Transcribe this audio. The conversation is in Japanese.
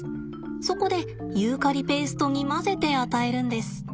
そこでユーカリペーストに混ぜて与えるんです。